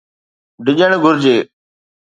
ڊڄڻ گهرجي.